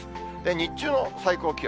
日中の最高気温。